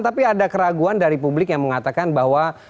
tapi ada keraguan dari publik yang mengatakan bahwa